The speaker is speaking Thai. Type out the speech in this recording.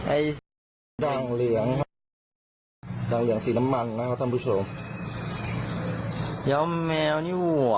ไอ้ดังเหลืองดังเหลืองสีน้ำมันนะครับท่านผู้โชคย้าวแมวนี่หว่า